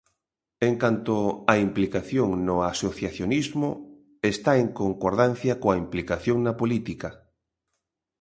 En canto á implicación no asociacionismo, está en concordancia coa implicación na política.